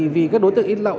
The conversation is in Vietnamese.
vì các đối tượng in lậu